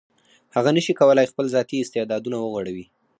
هغه نشي کولای خپل ذاتي استعدادونه وغوړوي.